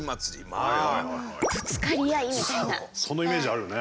そのイメージあるよね。